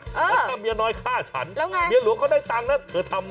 แล้วถ้าเมียน้อยฆ่าฉันแล้วไงเมียหลวงเขาได้ตังค์นะเธอทำ